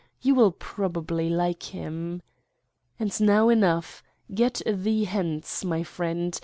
You will probably like him. And now enough. Get thee hence, my friend.